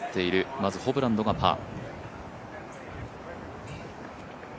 まずホブランドがパー。